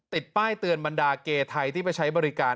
ติดป้ายเตือนบรรดาเกไทยที่ไปใช้บริการ